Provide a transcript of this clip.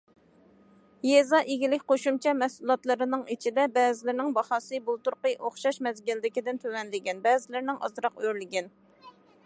يېزا ئىگىلىك قوشۇمچە مەھسۇلاتلىرىنىڭ ئىچىدە، بەزىلىرىنىڭ باھاسى بۇلتۇرقى ئوخشاش مەزگىلدىكىدىن تۆۋەنلىگەن، بەزىلىرىنىڭ ئازراق ئۆرلىگەن.